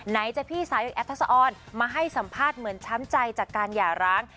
ไหนจะพี่สายกแอฟทัศน์มาให้สัมภาษณ์เหมือนช้ำใจจากการหย่าร้าง